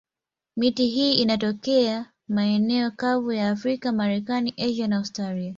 Miti hii inatokea maeneo kavu ya Afrika, Amerika, Asia na Australia.